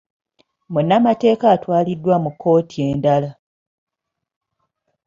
Munnamateeka atwaliddwa mu kkooti endala.